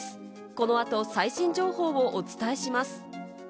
この後、最新情報をお伝えします。